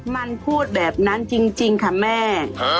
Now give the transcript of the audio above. มันพูดแบบนั้นจริงค่ะแม่